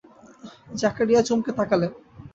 জাকারিয়া চমকে তাকালেন।